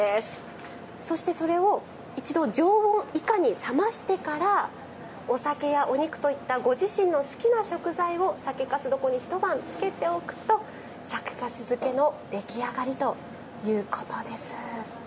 そしてそれを一度常温以下に冷ましてからお酒やお肉といったご自身の好きな食材を酒かす床に一晩漬けておくと酒かす漬けの出来上がりということです。